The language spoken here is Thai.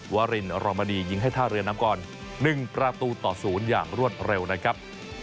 วารินรอมดียิงให้ท่าเรือนำก่อน๑ประตูต่อ๐อย่างรวดเร็วนะครับ